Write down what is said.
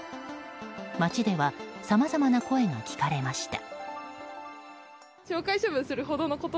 街ではさまざまな声が聞かれました。